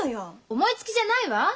思いつきじゃないわ！